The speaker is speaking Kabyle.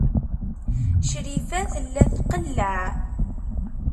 Crifa tella tqelleɛ.